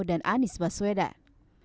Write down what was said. dan anies baswedan